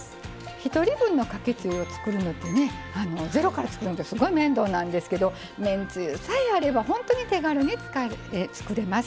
１人分のかけつゆを作るのってゼロから作るのってすごい面倒なんですけどめんつゆさえあれば手軽に作れます。